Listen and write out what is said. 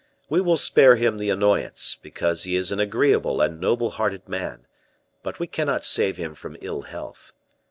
We will spare him the annoyance, because he is an agreeable and noble hearted man; but we cannot save him from ill health.